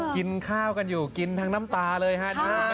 กินข้าวกันอยู่กินทั้งน้ำตาเลยฮะ